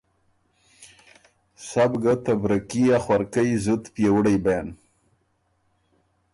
سَۀ بو ګه ته بره کي ا خؤرکئ زُت پئېوُړئ بېن